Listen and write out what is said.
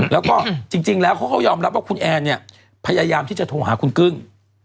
แล้วก็จริงแล้วเขาก็ยอมรับว่าคุณแอนเนี่ยพยายามที่จะโทรหาคุณกึ้ง